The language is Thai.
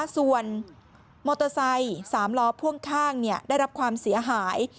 ส่วนมอเตอร์ไซค์๓ล้อพ่วงข้างได้รับความเสียหาย